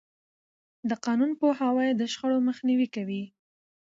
د قانون پوهاوی د شخړو مخنیوی کوي.